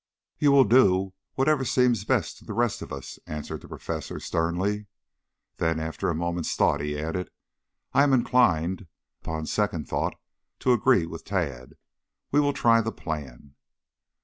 "You will do whatever seems best to the rest of us," answered the professor sternly. Then, after a moment's thought, he added, "I am inclined, upon second thought, to agree with Tad. We will try the plan."